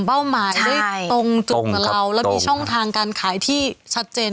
เป้าหมายใช่ได้ตรงจุดกว่าเราตรงครับแล้วมีช่องทางการขายที่ชัดเจน